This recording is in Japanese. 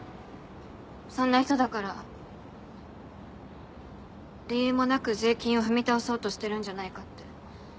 そんな人だから理由もなく税金を踏み倒そうとしてるんじゃないかって。